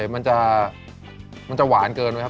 ป๊อมป้อนจิ๊นก็ขนมันไปเฉยมันจะหวานเกินไว้ครับ